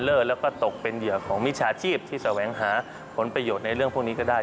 แล้วก็ตกเป็นเหยื่อของมิจฉาชีพที่แสวงหาผลประโยชน์ในเรื่องพวกนี้ก็ได้